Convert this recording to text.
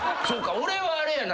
俺はあれやな。